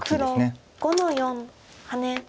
黒５の四ハネ。